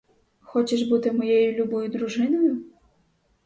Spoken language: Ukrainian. Хочеш бути моєю любою дружиною?